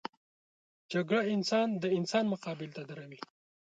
جګړه انسان د انسان مقابل ته دروي